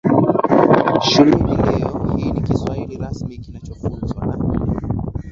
shuleni Leo hii ni Kiswahili rasmi kinachofunzwa na